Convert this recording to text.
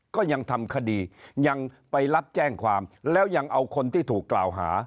ก็ยังทำคดียังไปรับแจ้งความแล้วยังเอาคนที่ถูกกล่าวหา